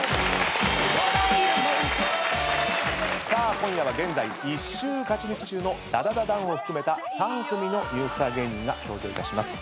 今夜は現在１週勝ち抜き中のダダダダンを含めた３組のニュースター芸人が登場いたします。